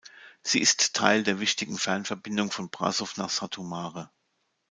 Sie ist Teil der wichtigen Fernverbindung von Brașov nach Satu Mare.